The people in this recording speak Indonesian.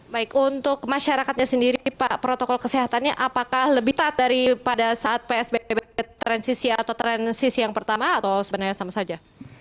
baik untuk masyarakatnya sendiri pak protokol kesehatannya apakah lebih taat daripada saat psbb transisi atau transisi yang pertama atau sebenarnya sama saja